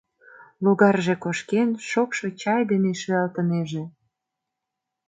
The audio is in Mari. Логарже кошкен, шокшо чай дене шӱялтынеже.